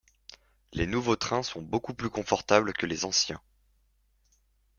Les nouveaux trains sont beaucoup plus confortables que les anciens.